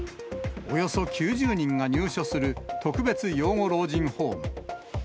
およそ９０人が入所する特別養護老人ホーム。